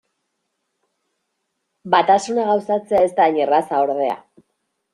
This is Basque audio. Batasuna gauzatzea ez da hain erraza, ordea.